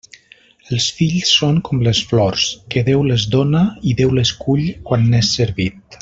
Els fills són com les flors, que Déu les dóna i Déu les cull quan n'és servit.